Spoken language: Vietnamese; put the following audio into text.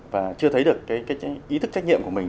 và chưa thấy được cái ý thức trách nhiệm của mình